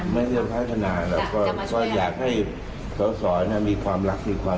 ไม่นกหวังกันถึงได้รู้อย่างนี้